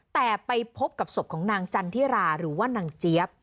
แต่ไปพบกับศพของนางจันทิราหรือว่านางเจี๊ยบ